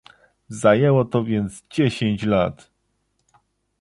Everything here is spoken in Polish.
Zajęło to więc dziesięć lat